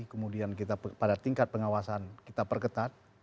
kemudian kita pada tingkat pengawasan kita perketat